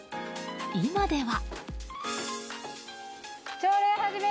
今では。